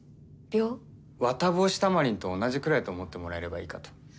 ワタボウシタマリンと同じくらいと思ってもらえればいいかと。